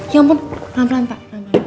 ya ampun pelan pelan pak